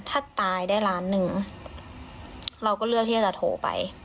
ถ้าตายได้ล้านหนึ่งเราก็เลือกที่จะโทรไป